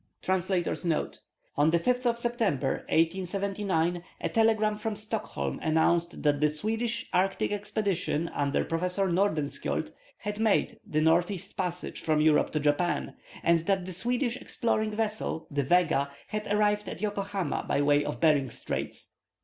[Footnote 1: [On the 5th September, 1879, a telegram from Stockholm announced that the Swedish Arctic Expedition under Professor Nordenskjold had made the North East Passage from Europe to Japan, and that the Swedish exploring vessel, the Vega, had arrived at Yokohama by way of Behring's Straits.